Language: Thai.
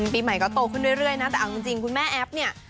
ปีใหม่ก็โตขึ้นเรื่อยนะแต่เอาจริงคุณแม่แอฟเนี่ย